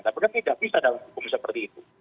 tapi kan tidak bisa dalam hukum seperti itu